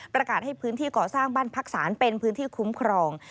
ประกาศให้พื้นที่ก่อสร้างบ้านพักศาลเป็นพื้นที่คุ้มครอง